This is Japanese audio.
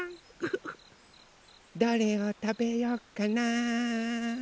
どれをたべよっかな。